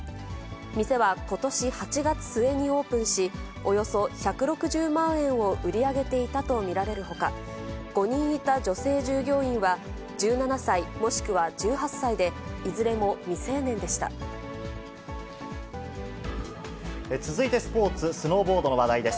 店はことし８月末にオープンし、およそ１６０万円を売り上げていたと見られるほか、５人いた女性従業員は１７歳もしくは１８歳で、いずれも未成年で続いてスポーツ、スノーボードの話題です。